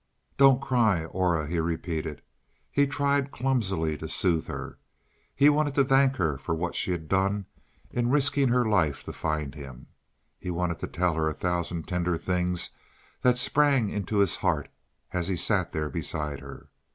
"Don't cry, Aura," he repeated. He tried clumsily to soothe her. He wanted to thank her for what she had done in risking her life to find him. He wanted to tell her a thousand tender things that sprang into his heart as he sat there beside her.